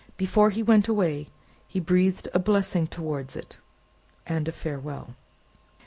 Before he went away, he breathed a blessing towards it, and a Farewell.